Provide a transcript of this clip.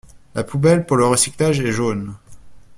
La poubelle pour le recyclage est jaune.